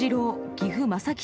岐阜正木